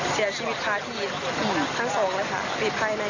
เสียชีวิตพาทีทั้งสองเลยค่ะปีดภายใน